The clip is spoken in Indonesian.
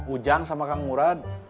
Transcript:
ujang sama kang murad